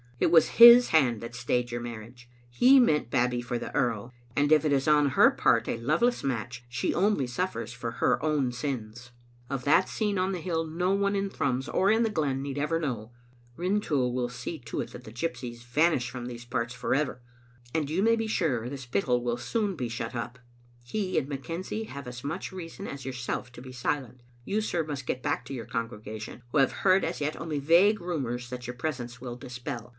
It was His hand that stayed your marriage. He meant Babbie for the earl ; and if it is on her part a loveless match, she only suffers for her own sins. Of that scene on the hill no one in Thrums, or in the glen, need ever know. Rintoul will see to it that the gypsies vanish from these parts for ever, and you may be sure the Spittal will soon be shut up. He and McKenzie have as much reason as your self to be silent. You, sir, must go back to your con gregation, who have heard as yet only vague rumors that your presence will dispel.